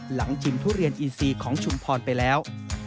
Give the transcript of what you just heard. ชิมทุเรียนอีซีของชุมพรไปแล้ว